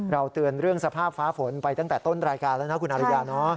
เตือนเรื่องสภาพฟ้าฝนไปตั้งแต่ต้นรายการแล้วนะคุณอาริยา